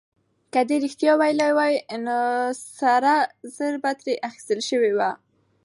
که ده رښتيا ويلي وای، نو سره زر به ترې اخيستل شوي وو.